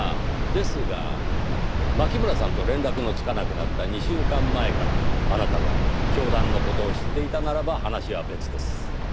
ですが牧村さんと連絡のつかなくなった２週間前からあなたが教団の事を知っていたならば話は別です。